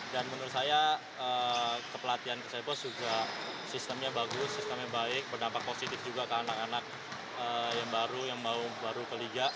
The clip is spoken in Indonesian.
dan menurut saya kepelatihan ke cepos juga sistemnya bagus sistemnya baik berdampak positif juga ke anak anak yang baru yang baru ke liga